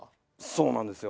そうなんですよ。